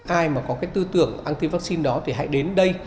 ai mà có cái tư tưởng anti vắc xin đó thì hãy đến đây